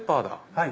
はい。